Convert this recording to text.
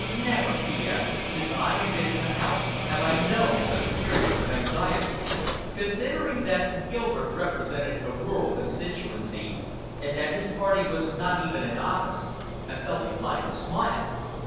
Never," he added, "since I have been in the House, have I known such a period of anxiety." Considering that Gilbert represented a rural constituency, and that his party was not even in office, I felt inclined to smile.